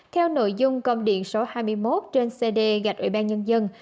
theo nội dung công điện số hai mươi một trên cd gạch ủy ban nhân dân